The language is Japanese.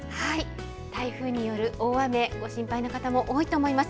台風による大雨ご心配の方も多いと思います。